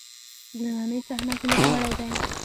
نننۍ صحنه کې لوبغاړی دی.